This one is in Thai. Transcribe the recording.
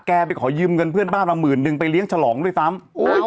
ไปขอยืมเงินเพื่อนบ้านมาหมื่นนึงไปเลี้ยงฉลองด้วยซ้ำ